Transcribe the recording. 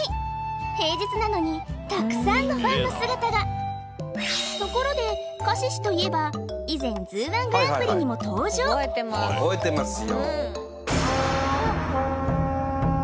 平日なのにたくさんのファンの姿がところでカシシといえば以前「ＺＯＯ−１グランプリ」にも登場覚えてます覚えてますよ